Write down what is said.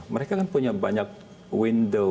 mereka kan punya banyak window